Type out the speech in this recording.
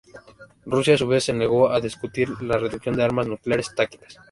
Rusia, a su vez, se negó a discutir la reducción de armas nucleares tácticas.